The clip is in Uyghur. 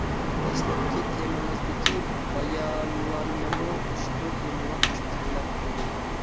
دەسلەپكى تېمىڭىزدىكى بايانلارنىمۇ ئۇشبۇ تېمىغا قوشۇپ تەھرىرلەپ قويدۇم.